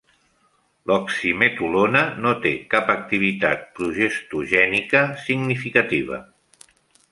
L'oximetolona no té cap activitat progestogènica significativa.